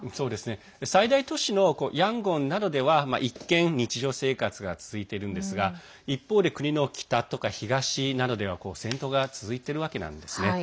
最大都市のヤンゴンなどでは一見、日常生活が続いているんですが一方で国の北とか東などでは戦闘が続いているわけなんですね。